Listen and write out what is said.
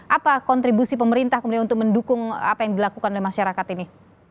apa kontribusi pemerintah kemudian untuk mendukung apa yang dilakukan oleh masyarakat ini